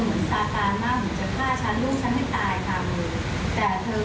ก็สิ่งจัดแบบตอนนี้เรารับไม่ได้แล้ว